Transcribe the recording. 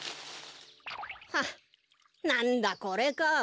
はっなんだこれか。